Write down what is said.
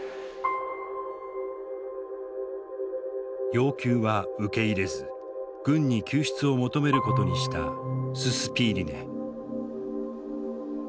要求は受け入れず軍に救出を求めることにしたススピーリネ。